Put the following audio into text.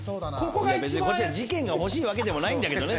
こっちは事件が欲しいわけでもないんだけどね。